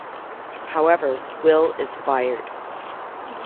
However, Will is fired.